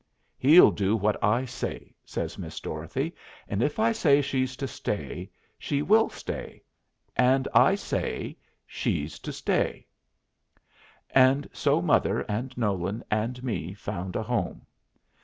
"He'll do what I say," says Miss Dorothy, "and if I say she's to stay, she will stay, and I say she's to stay!" And so mother and Nolan and me found a home.